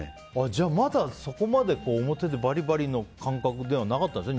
じゃあ、まだそこまで表でバリバリの感覚ではなかったんですね。